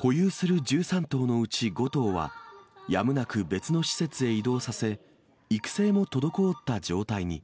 保有する１３頭のうち５頭は、やむなく別の施設へ移動させ、育成も滞った状態に。